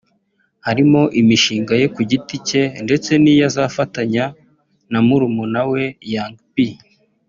harimo imishinga ye ku giti cye ndetse n’iyo azafatanya na murumuna we Young P